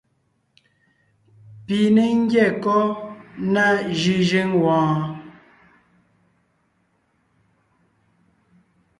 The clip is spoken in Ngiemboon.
Pi ne ńgyɛ́ kɔ́ ná jʉ́jʉ́ŋ wɔɔn?